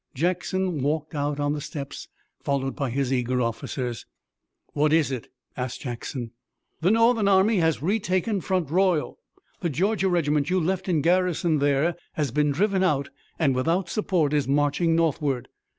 Jackson walked out on the steps, followed by his eager officers. "What is it?" asked Jackson. "The Northern army has retaken Front Royal. The Georgia regiment you left in garrison there has been driven out and without support is marching northward.